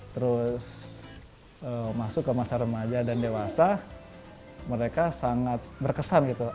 terus masuk ke masa remaja dan dewasa mereka sangat berkesan gitu